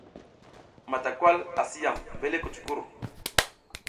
Matawal asi yam mbele kucuckur.